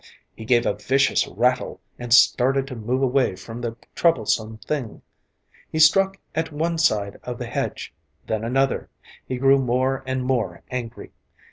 He gave a vicious rattle and started to move away from the troublesome thing. He struck at one side of the hedge, then another. He grew more and more angry.